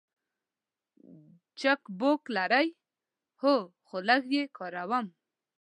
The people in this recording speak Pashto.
چک بوک لرئ؟ هو، خو لږ یی کاروم